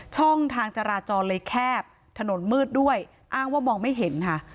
ช่องทางจราจรเลยแคบถนนมืดด้วยอ้างว่ามองไม่เห็นค่ะ